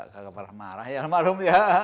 kagak pernah marah ya almarhum